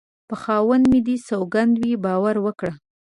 په خاوند مې دې سوگند وي باور وکړه